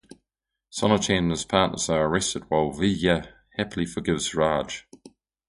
Sonachand and his partners are arrested, while Vidya happily forgives Raj.